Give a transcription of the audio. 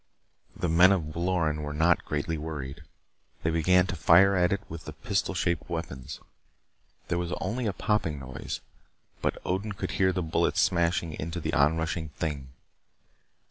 The men of Loren were not greatly worried. They began to fire at it with the pistol shaped weapons. There was only a popping noise, but Odin could hear the bullets smashing into the onrushing thing.